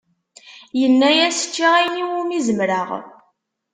Yenna-yas ččiɣ ayen iwumi zemreɣ.